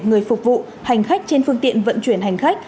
người phục vụ hành khách trên phương tiện vận chuyển hành khách